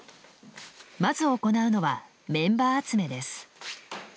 まず行うのはメンバー集めです。